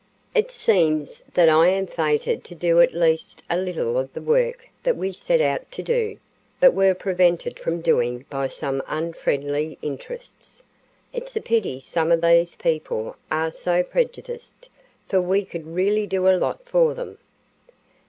"It seems that I am fated to do at least a little of the work that we set out to do, but were prevented from doing by some unfriendly interests. It's a pity some of these people are so prejudiced, for we could really do a lot for them."